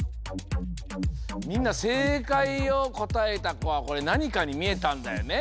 みんなせいかいをこたえたこはこれなにかにみえたんだよね。